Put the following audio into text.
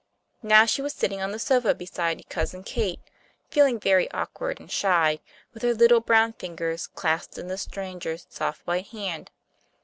Now she was sitting on the sofa beside Cousin Kate, feeling very awkward and shy with her little brown fingers clasped in this stranger's soft white hand.